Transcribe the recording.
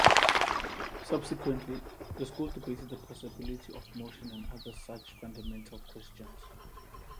Subsequently, the school debated the possibility of motion and other such fundamental questions.